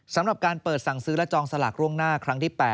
สำหรับการเปิดสั่งซื้อและจองสลากล่วงหน้าครั้งที่๘